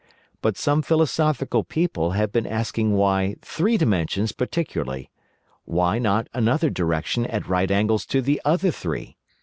But some philosophical people have been asking why three dimensions particularly—why not another direction at right angles to the other three?